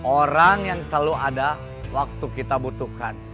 orang yang selalu ada waktu kita butuhkan